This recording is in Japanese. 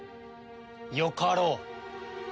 よかろう。